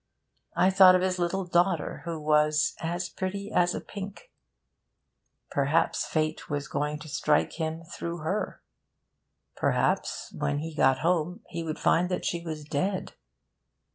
I thought of his little daughter who was 'as pretty as a pink.' Perhaps Fate was going to strike him through her. Perhaps when he got home he would find that she was dead.